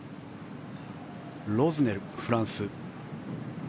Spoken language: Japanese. ロズネル、フランス。